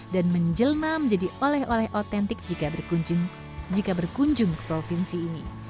dan menjelma menjadi oleh oleh otentik jika berkunjung ke provinsi ini